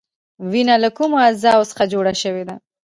وینه له کومو اجزاوو څخه جوړه شوې ده؟